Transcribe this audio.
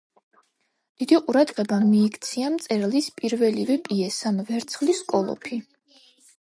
დიდი ყურადღება მიიქცია მწერლის პირველივე პიესამ ვერცხლის კოლოფი.